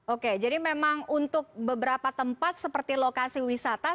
oke jadi memang untuk beberapa tempat seperti lokasi wisata